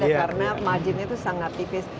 karena marginnya itu sangat tipis